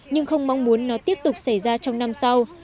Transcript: nhưng không mong muốn nó tiếp tục xảy ra trong năm sau